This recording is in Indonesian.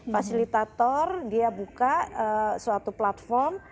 fasilitator dia buka suatu platform